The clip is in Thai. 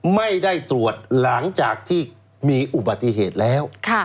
ไม่ได้ตรวจหลังจากที่มีอุบัติเหตุแล้ว